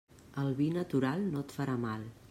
El vi natural no et farà mal.